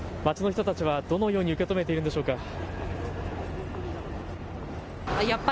街の人たちはどのように受け止めているんでしょうか。